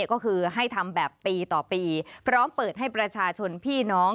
ก็คือให้ทำแบบปีต่อปีพร้อมเปิดให้ประชาชนพี่น้อง